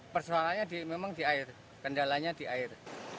persoalannya memang di air kendalanya di air